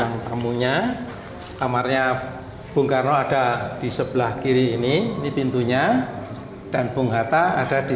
yang kamunya kamarnya bung karno ada di sebelah kiri ini ini pintunya dan bung hatta ada di